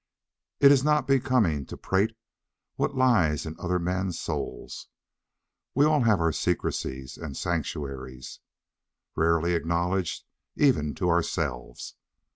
It is not becoming to prate of what lies in other men's souls; we all have our secrecies and sanctuaries, rarely acknowledged even to ourselves.